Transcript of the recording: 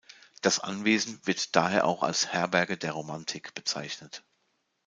Das Anwesen wird daher auch als „Herberge der Romantik“ bezeichnet.